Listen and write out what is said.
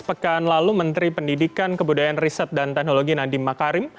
pekan lalu menteri pendidikan kebudayaan riset dan teknologi nadiem makarim